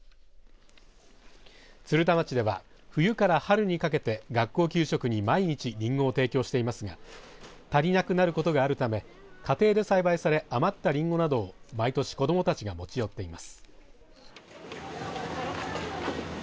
鶴田町では冬から春にかけて学校給食に毎日りんごを提供していますが足りなくなることがあるため家庭で栽培され余ったりんごなどを毎年子どもたちが持ち寄っています。